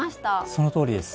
そのとおりです